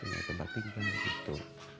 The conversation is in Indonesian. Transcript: gak ada tempat tinggal gitu